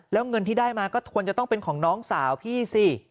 แล้วเงินที่ได้มาก็ควรจะต้องเป็นของน้องสาวพี่สิ